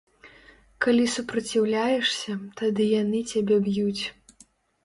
Калі супраціўляешся, тады яны цябе б'юць.